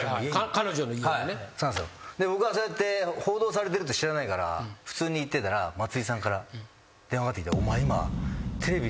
僕はそうやって報道されてるって知らないから普通に行ってたら松井さんから電話かかってきて。